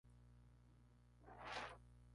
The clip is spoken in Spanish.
Incluso existen leyendas y fábulas sobre el tema.